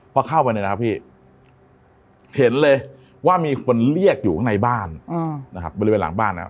พอเข้าไปเนี่ยนะครับพี่เห็นเลยว่ามีคนเรียกอยู่ในบ้านนะครับ